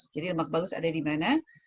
jadi lemak bagus ada di mana